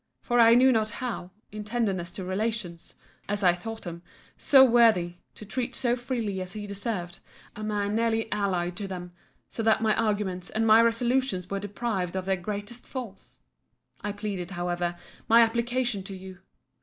For I knew not how, in tenderness to relations, (as I thought them,) so worthy, to treat so freely as he deserved, a man nearly allied to them: so that my arguments and my resolutions were deprived of their greatest force. I pleaded, however, my application to you.